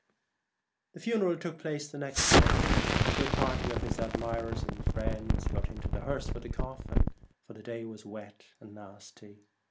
The funeral took place the next The Last day. A good party of his admirers and friends got into the hearse with the coffin, for the day was wet and nasty.